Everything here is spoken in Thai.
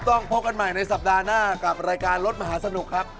ต้องพบกันใหม่ในสัปดาห์หน้ากับรายการรถมหาสนุกครับ